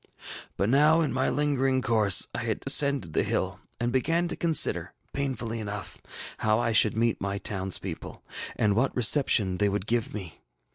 ŌĆ£But now, in my lingering course I had descended the bill, and began to consider, painfully enough, how I should meet my townspeople, and what reception they would give me.